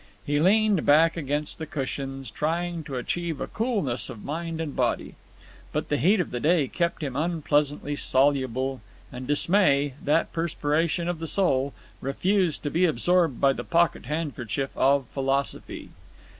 He leaned back against the cushions, trying to achieve a coolness of mind and body. But the heat of the day kept him unpleasantly soluble, and dismay, that perspiration of the soul, refused to be absorbed by the pocket handkerchief of philosophy.